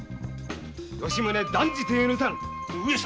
吉宗断じて許さぬ上様